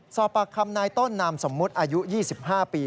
สอบปากคำนายต้นนามสมมุติอายุ๒๕ปี